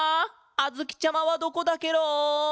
あづきちゃまはどこだケロ！